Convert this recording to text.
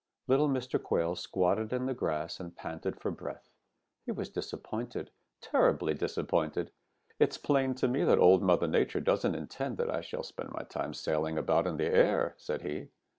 "Little Mr. Quail squatted in the grass and panted for breath. He was disappointed, terribly disappointed. 'It's plain to me that Old Mother Nature doesn't intend that I shall spend my time sailing about in the air,' said he.